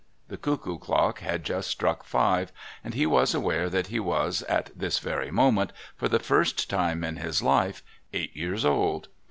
The cuckoo clock had just struck five, and he was aware that he was, at this very moment, for the first time in his life, eight years old.